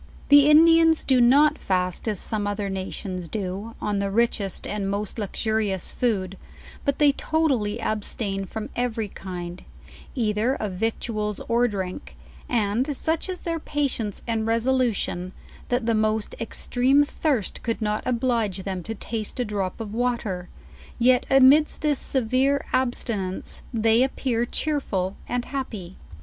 The Indians, do not fast as some other nations do, on the richest and most luxurious food, but they totally abstain from every kind, either of victuals or drink; and such is their pa tience and resolution, that the most extreme thirst could not oblige them to taste a drop of water; yet amidst this severe abstinence they appear cheerful and happy.